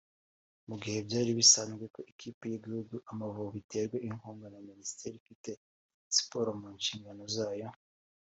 Mu gihe byari bisanzwe ko ikipe y'igihugu Amavubi iterwa inkunga na Minisiteri ifite Siporo mu nshingano zayo